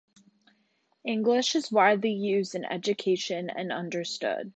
English is widely used in education and understood.